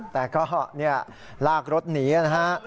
แต่ก็เนี่ยลากรถหนีนะฮะ